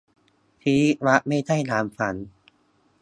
ชีวิตรักไม่ใช่อย่างฝัน